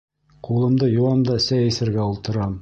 Ҡулымды йыуам да сәй эсергә ултырам.